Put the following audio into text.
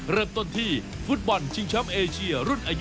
เริ่มต้นที่ฟุตบอลชิงช้ำเอเชียรุ่นอายุ